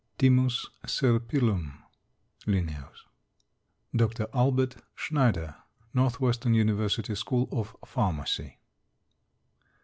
(Thymus Serpyllum L.) DR. ALBERT SCHNEIDER, Northwestern University School of Pharmacy.